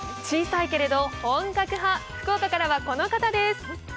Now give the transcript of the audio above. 小さいけれど本格派、福岡からはこの方です。